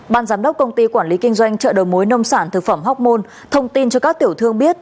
ban giám đốc công ty quản lý kinh doanh chợ đầu mối nông sản thực phẩm hoc mon thông tin cho các tiểu thương biết